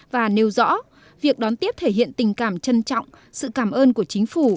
và nêu rõ việc đón tiếp thể hiện tình cảm trân trọng sự cảm ơn của chính phủ